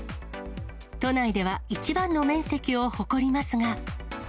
都内では一番の面積を誇りますが。